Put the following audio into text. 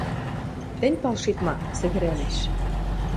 Тӹнь палшет ма? — сӹгӹрӓлеш.